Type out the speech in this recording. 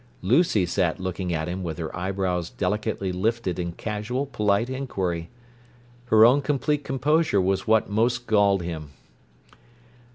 Lucy sat looking at him with her eyebrows delicately lifted in casual, polite inquiry. Her own complete composure was what most galled him.